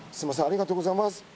ありがとうございます。